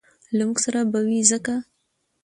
له موږ سره به وي ځکه